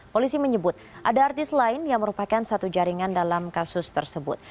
polisi menyebut ada artis lain yang merupakan satu jaringan dalam kasus tersebut